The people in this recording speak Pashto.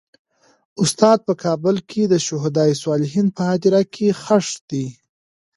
استاد په کابل کې د شهدا صالحین په هدیره کې خښ دی.